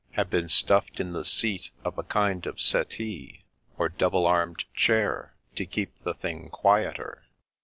Had been stuff'd in the seat of a kind of settee, Or double arm'd chair, to keep the thing quieter.